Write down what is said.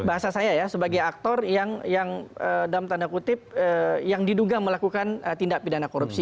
bahasa saya ya sebagai aktor yang dalam tanda kutip yang diduga melakukan tindak pidana korupsi